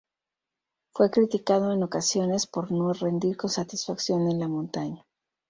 Fue criticado, en ocasiones, por no rendir con satisfacción en la montaña.